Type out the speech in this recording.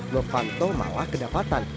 novanto malah kedapatan